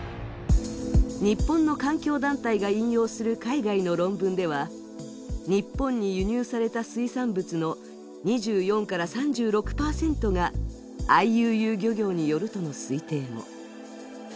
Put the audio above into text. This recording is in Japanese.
日本の環境団体が引用する海外の論文では、日本に輸入された水産物の２４３６％がＩＵＵ漁業によるとの推定も。